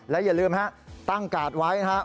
และอย่าลืมตั้งการ์ดไว้นะฮะ